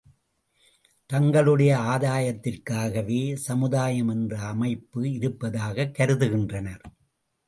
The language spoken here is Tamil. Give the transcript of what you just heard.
தங்களுடைய ஆதாயத்திற்காகவே சமுதாயம் என்ற அமைப்பு இருப்பதாகக் கருதுகின்றனர்.